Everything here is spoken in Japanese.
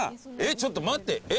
ちょっと待ってえっ